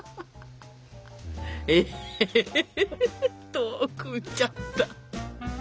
遠く見ちゃった。